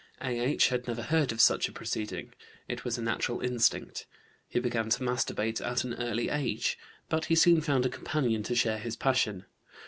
A.H. had never heard of such a proceeding. It was a natural instinct. He began to masturbate at an early age. But he soon found a companion to share his passion.